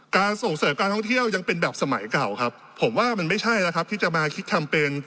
ส่งเสริมการท่องเที่ยวยังเป็นแบบสมัยเก่าครับผมว่ามันไม่ใช่แล้วครับที่จะมาคิดแคมเปญ